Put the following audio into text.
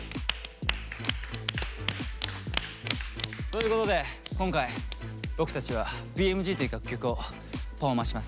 ということで今回僕たちは「Ｐ．Ｍ．Ｇ．」という楽曲をパフォーマンスします。